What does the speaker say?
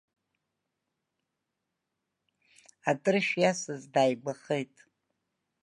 Атрышә иасыз дааигәахеит.